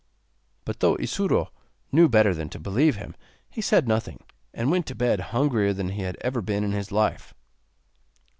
But, though Isuro knew better than to believe him, he said nothing, and went to bed hungrier than he had ever been in his life.